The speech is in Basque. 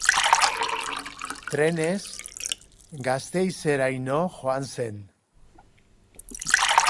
Trenez Gasteizeraino joan zen.